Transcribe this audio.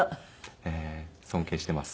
尊敬しています。